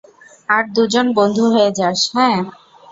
আর দুজন বন্ধু হয়ে যাস, হ্যাঁ?